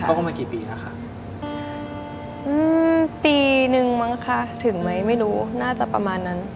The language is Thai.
อืมปีหนึ่งมั้งค่ะถึงไหมไม่รู้น่าจะประมาณนั้น